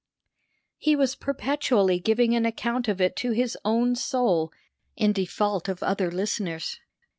He was perpetually giving an account of it to his own soul in default of other listeners.